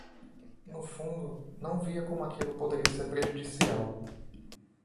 No fundo, não via como aquilo poderia ser prejudicial.